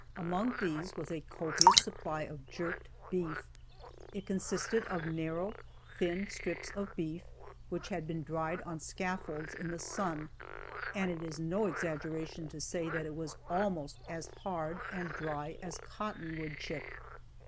Among these was a copious supply of "jerked beef." It consisted of narrow, thin strips of beef, which had been dried on scaffolds in the sun, and it is no exaggeration to say that it was almost as hard and dry as a cottonwood chip.